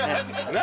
何？